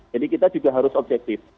jadi kita juga harus objektif